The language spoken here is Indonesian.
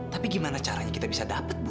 tapi gimana caranya kita bisa dapat bu